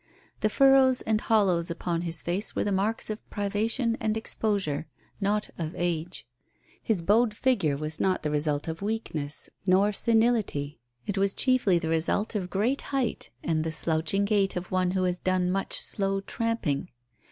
The furrows and hollows upon his face were the marks of privation and exposure, not of age. His bowed figure was not the result of weakness or senility, it was chiefly the result of great height and the slouching gait of one who has done much slow tramping.